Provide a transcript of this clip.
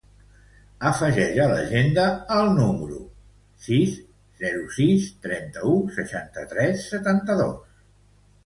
Afegeix a l'agenda el número de l'Adrián Archilla: sis, zero, sis, trenta-u, seixanta-tres, setanta-dos.